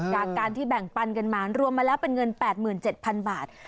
จากการที่แบ่งปันกันมารวมมาแล้วเป็นเงิน๘๗๐๐บาท